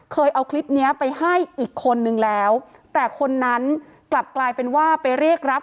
เอาคลิปเนี้ยไปให้อีกคนนึงแล้วแต่คนนั้นกลับกลายเป็นว่าไปเรียกรับ